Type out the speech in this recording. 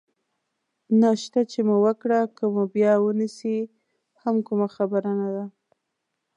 ناشته چې مو وکړه، که مو بیا ونیسي هم کومه خبره نه ده.